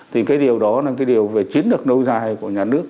thì cái điều đó là cái điều về chiến lược lâu dài của nhà nước